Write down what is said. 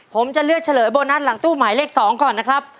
ผมจะเลือกเฉลยโบนัสหลังตู้หมายเลข๒ก่อนนะครับ